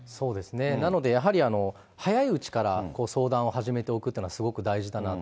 なので、やはり早いうちから相談を始めておくというのはすごく大事かなと。